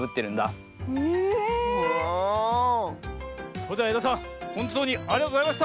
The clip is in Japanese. それではえださんほんとうにありがとうございました！